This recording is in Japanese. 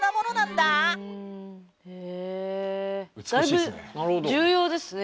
だいぶ重要ですね。